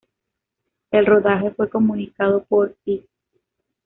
El rodaje fue comunicado por "E!